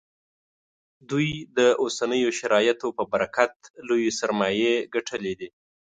دوی د اوسنیو شرایطو په برکت لویې سرمایې ګټلې دي